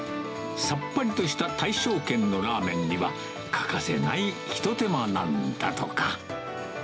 さっぱりとした大勝軒のラーメンには、欠かせない一手間なんだとか。